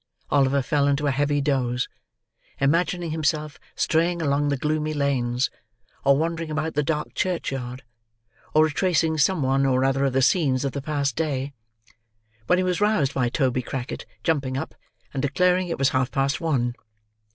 Oliver fell into a heavy doze: imagining himself straying along the gloomy lanes, or wandering about the dark churchyard, or retracing some one or other of the scenes of the past day: when he was roused by Toby Crackit jumping up and declaring it was half past one.